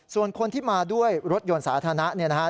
ส่วนคนที่มาด้วยรถยนต์สาธารณะเนี่ยนะฮะ